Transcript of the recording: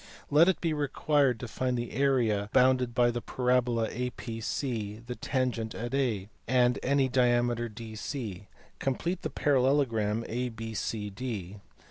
Let it be required to find the area bounded by the parabola A PC the tangent at A, and any diameter DC. Complete the parallelogram A BCD.